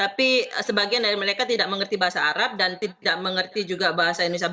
tapi sebagian dari mereka tidak mengerti bahasa arab dan tidak mengerti juga bahasa indonesia